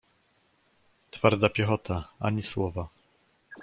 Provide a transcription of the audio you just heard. "Twarda piechota, ani słowa."